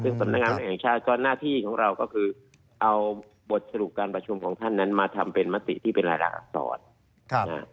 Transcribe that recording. ซึ่งสำนักงานแห่งชาติก็หน้าที่ของเราก็คือเอาบทสรุปการประชุมของท่านนั้นมาทำเป็นมติที่เป็นระดับอักษร